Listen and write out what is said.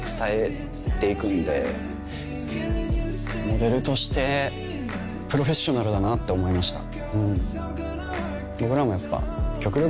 モデルとしてプロフェッショナルだなって思いました。